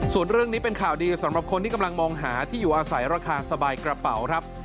ส่วนเรื่องนี้เป็นข่าวดีสำหรับคนที่กำลังมองหาที่อยู่อาศัยราคาสบายกระเป๋าครับ